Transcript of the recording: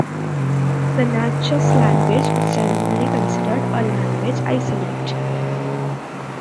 The Natchez language is generally considered a language isolate.